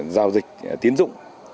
giao dịch tiến dụng